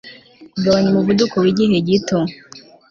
Kugabanya umuvuduko wigihe gito